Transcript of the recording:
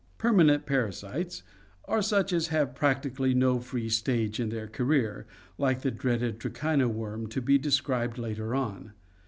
Permanent parasites are such as have practically no free stage in their career, like the dreaded trichina worm to be described later on.